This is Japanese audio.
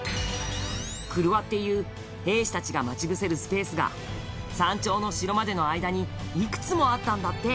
曲輪っていう兵士たちが待ち伏せるスペースが山頂の城までの間にいくつもあったんだって